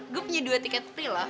gue punya dua tiket prila